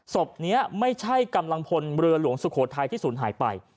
ศพนี้ไม่ใช่กำลังพลเรือหลวงสุโขทัยที่ศูนย์หายไป